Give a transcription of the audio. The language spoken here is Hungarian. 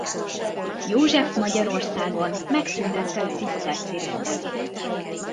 József Magyarországon megszüntette a ciszterci rendet.